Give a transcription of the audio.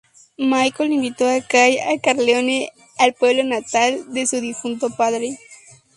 Michael invitó a Kay a Corleone, el pueblo natal de su difunto padre.